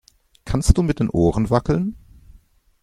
Kannst du mit den Ohren wackeln?